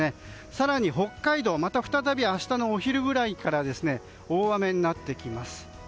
更に北海道、再び明日のお昼ぐらいから大雨になってきます。